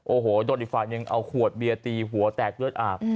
โอ้โหโดนอีกฝ่ายหนึ่งเอาขวดเบียร์ตีหัวแตกเลือดอาบ